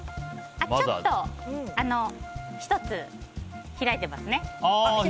ちょっと、１つ開いてますね。